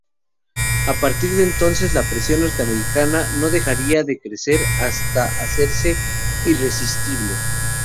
A partir de entonces la presión norteamericana no dejaría de crecer hasta hacerse irresistible.